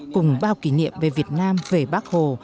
cùng bao kỷ niệm về việt nam về bắc hồ